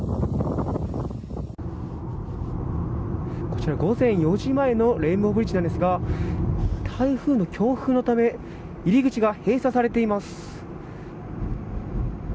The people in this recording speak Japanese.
こちら午前４時前のレインボーブリッジなんですが台風の強風のため入り口が閉鎖されています。